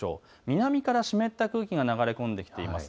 南から湿った空気が流れ込んできています。